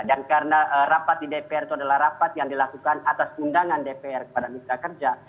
dan karena rapat di dpr itu adalah rapat yang dilakukan atas undangan dpr kepada mitra kerja